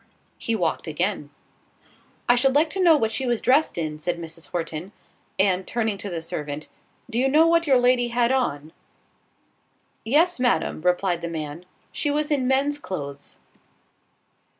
He walked again. "I should like to know what she was dressed in," said Mrs. Horton: and turning to the servant, "Do you know what your lady had on?" "Yes, Madam," replied the man, "she was in men's clothes."